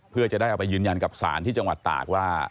เพื่อจะได้เอาไปยืนยันกับศาลที่จังหวัดตากว่า